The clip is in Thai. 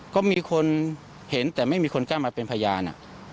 ก็มีคนเห็นแต่ไม่มีคนกล้ามาเป็นพยาน